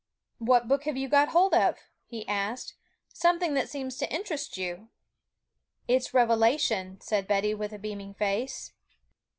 'What book have you got hold of?' he asked; 'something that seems to interest you.' 'It's Revelation,' said Betty, with a beaming face.